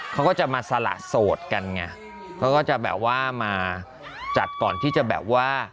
เขาก็จะมาสละโสดกันไงเขาก็จะแบบว่ามาจัดก่อนที่จะแบบว่า